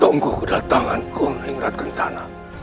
tungguku datanganku mengeratkan tanah